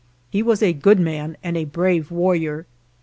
He was a good man and a brave warrior.